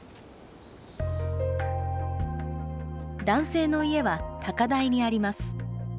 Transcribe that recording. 男性の家は高台にあります。